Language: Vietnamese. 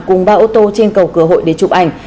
cùng ba ô tô trên cầu cửa hội để chụp ảnh